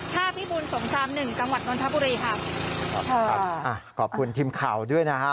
ท่าพิบุญสงสามหนึ่งตนทะพุรีครับขอบคุณทีมข่าวด้วยนะคะ